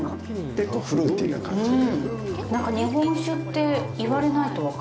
結構、フルーティーな感じで。